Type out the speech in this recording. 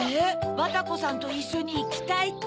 「バタコさんといっしょにいきたい」って？